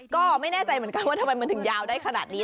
ก็ไม่แน่ใจเหมือนกันว่าทำไมมันถึงยาวได้ขนาดนี้